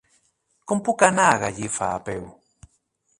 Com puc arribar a Gallifa a peu?